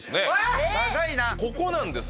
ここなんです